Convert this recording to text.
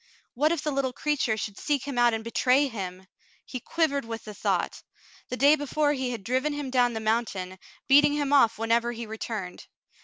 What if the little creature should seek him out and betray him ! He quivered with the thought. The day before he had driven him down the mountain, beating him off whenever he returned.